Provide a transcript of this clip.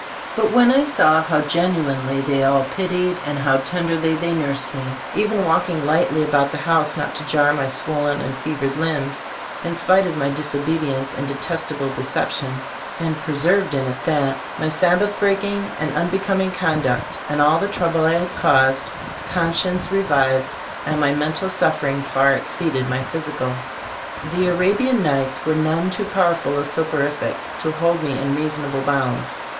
But when I saw how genuinely they all pitied, and how ten derly they nursed me, even walking lightly about the house not to jar my swollen and fevered limbs, in spite of my disobedience and detestable decep tion (and persevered in at that), my Sabbath breaking and unbecoming conduct, and all the trouble I had caused, conscience revived, and my ttbe Storg of AtfCbftoboob 63 mental suffering far exceeded my physical. The Arabian Nights were none too powerful a soporific to hold me in reasonable bounds.